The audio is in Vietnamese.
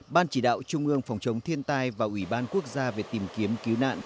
ban chỉ đạo trung ương phòng chống thiên tai và ủy ban quốc gia về tìm kiếm cứu nạn